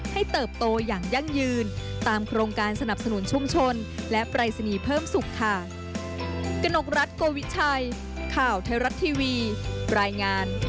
ให้เติบโตอย่างยั่งยืน